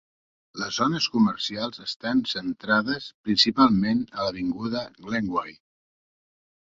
Les zones comercials estan centrades principalment a l'avinguda Glenway.